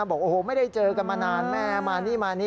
บอกโอ้โหไม่ได้เจอกันมานานแม่มานี่มานี่